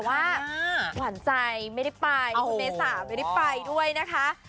หวานใจไม่ได้ไปคุณเมษาไม่ได้ไปด้วยนะคะ